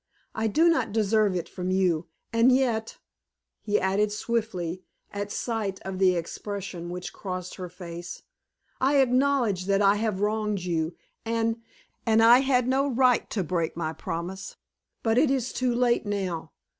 I do not deserve it from you. And yet," he added, swiftly, at sight of the expression which crossed her face, "I acknowledge that I have wronged you, and and I had no right to break my promise; but it is too late now.